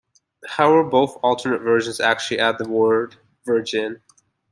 However, both alternate versions actually add the word "virgin".